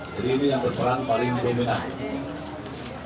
jadi ini yang berperan paling dominan